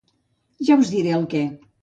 Ja us en diré el què.